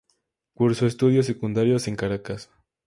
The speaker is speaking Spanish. Cursó estudios secundarios en Caracas.